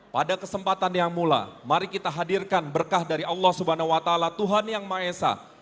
pada kesempatan yang mula mari kita hadirkan berkah dari allah swt tuhan yang maha esa